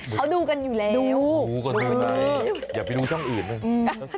เขาดูกันอยู่แล้วดูกันดูไงอย่าไปดูช่องอื่นนะอืม